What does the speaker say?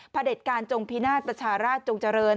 เด็จการจงพินาศประชาราชจงเจริญ